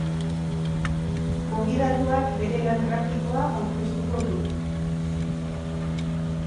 Gonbidatuak bere lan grafikoa aurkeztuko du.